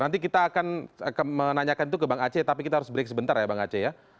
nanti kita akan menanyakan itu ke bang aceh tapi kita harus break sebentar ya bang aceh ya